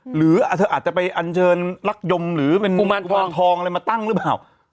หรือเธออาจจะไปอันเชิญรักยมหรือเป็นกุมารกวานทองอะไรมาตั้งหรือเปล่า